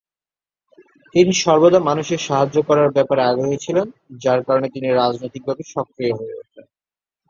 তিনি সর্বদা মানুষের সাহায্য করার ব্যাপারে আগ্রহী ছিলেন যার কারণে তিনি রাজনৈতিকভাবে সক্রিয় হয়ে ওঠেন।